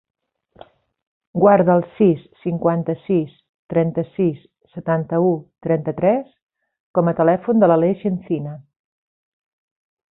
Guarda el sis, cinquanta-sis, trenta-sis, setanta-u, trenta-tres com a telèfon de l'Aleix Encina.